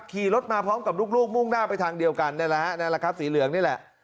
ขี่รถมาพร้อมกับลูกมุ่งหน้าไปทางเดียวกันนี่แหละฮะนั่นแหละครับสีเหลืองนี่แหละ